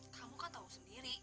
kamu kan tahu sendiri